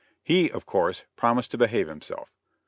He, of course, promised to behave himself.